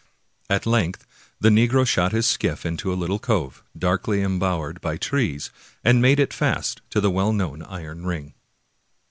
At length the negro shot his skiff into a little cove, darkly em bowered by trees, and made it fast to the well known iron ring.